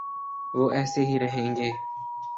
وہ ایسے ہی رہیں گے۔